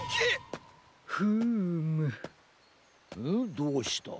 どうした？